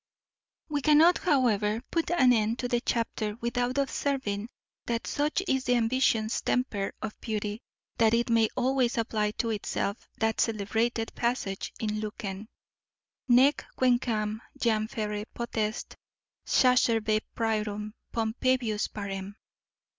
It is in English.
We cannot however put an end to the chapter without observing that such is the ambitious temper of beauty, that it may always apply to itself that celebrated passage in Lucan, _Nec quenquam jam ferre potest Caesarve priorem, Pompeiusve parem.